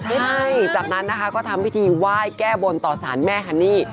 ใช่จากนั้นนะคะก็ทำพิธีไหว้แก้บนต่อสารแม่ฮันนี่